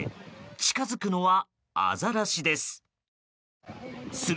近づくのはアザラシです。